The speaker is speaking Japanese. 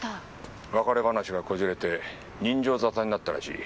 別れ話がこじれて刃傷沙汰になったらしい。